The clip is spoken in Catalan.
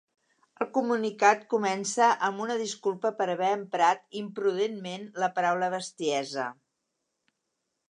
El comunicat comença amb una disculpa per haver emprat “imprudentment” la paraula “bestiesa”.